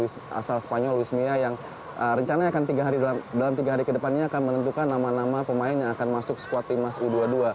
asal spanyol luis mia yang rencananya akan dalam tiga hari ke depannya akan menentukan nama nama pemain yang akan masuk squad timnas u dua puluh dua